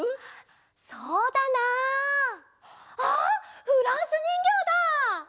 そうだなあっフランスにんぎょうだ！